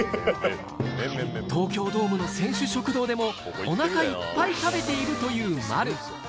東京ドームの選手食堂でもおなかいっぱい食べているという丸。